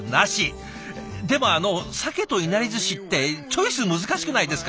でもあのさけといなりずしってチョイス難しくないですか？